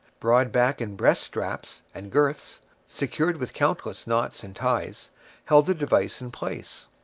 Broad back and breast straps, and girths, secured with countless knots and ties, held the device in place.